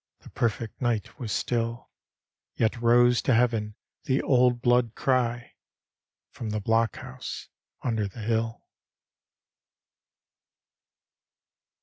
The perfect night was still; Yet rose to heaven die old blood cry From the blockhouse under the hill.